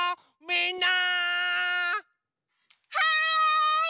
はい！